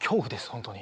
本当に。